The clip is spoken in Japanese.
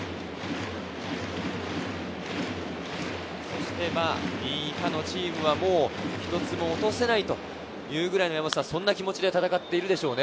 そして２位以下のチームは１つも落とせないというくらいの気持ちで戦っているでしょう。